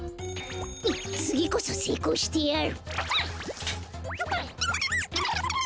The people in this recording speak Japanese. つぎこそせいこうしてやる！